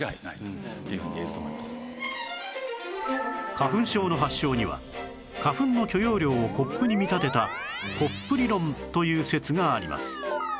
花粉症の発症には花粉の許容量をコップに見立てたコップ理論という説があります